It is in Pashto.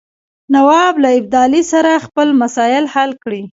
نواب له ابدالي سره خپل مسایل حل کړي.